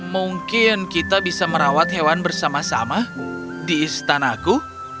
mungkin kita bisa merawat hewan bersama sama di istanaku